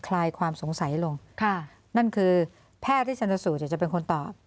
ลายความสงสัยลงค่ะนั่นคือแพทย์ที่ชนสูตรจะเป็นคนตอบ